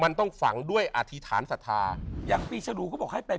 มันต้องฝังด้วยอธิษฐานศรัทธาอย่างปีชรูเขาบอกให้ไป